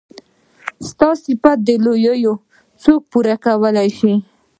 ستا صفت د لويي څوک پوره کولی شي.